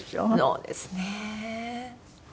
そうですね。